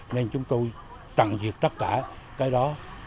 nên chúng tôi tặng việc tất cả cái đó